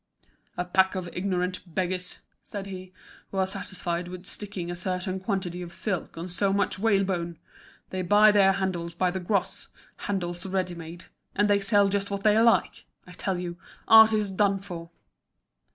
"A pack of ignorant beggars," said he, "who are satisfied with sticking a certain quantity of silk on so much whalebone! They buy their handles by the gross, handles readymade. And they sell just what they like! I tell you, art is done for!"